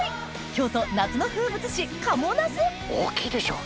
京都夏の風物詩賀茂なす大きいでしょう。